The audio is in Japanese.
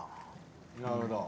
なるほど。